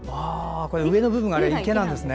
上の部分が池なんですね。